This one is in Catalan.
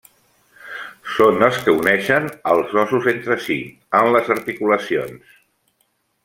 Són els que uneixen als ossos entre si, en les articulacions.